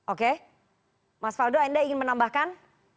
oke mas faldo anda ingin menambahkan